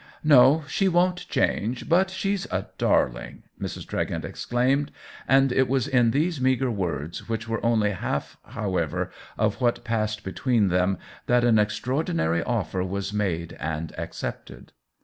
" No, she won't change. But she's a dar THE WHEEL OF TIME 89 ling !" Mrs. Tregent exclaimed ; and it was in these meagre words, which were only half however of what passed between them, that an extraordinary offer was made and ac cepted.